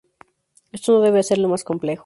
Esto no debe hacerlo más complejo.